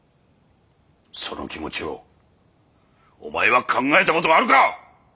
その気持ちをお前は考えた事はあるか！？